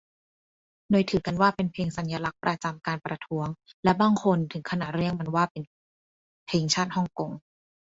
โดยถือกันว่าเป็นเพลงสัญลักษณ์ประจำการประท้วง และบางคนถึงขนาดเรียกมันว่าเป็น "เพลงชาติฮ่องกง"